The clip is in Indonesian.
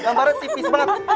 gambarnya tipis banget